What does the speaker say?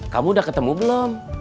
kamu udah ketemu belum